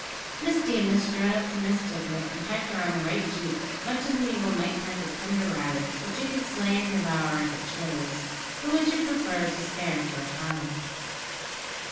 Miss Deemas strode up to Miss Tippet, and pecked her on the right cheek, much as an eagle might peck a tender rabbit, which it could slay and devour if it chose, but which it preferred to spare for a time.